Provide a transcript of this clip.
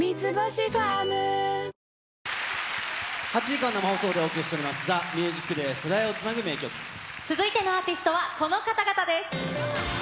８時間生放送でお送りしております、ＴＨＥＭＵＳＩＣ続いてのアーティストはこの方々です。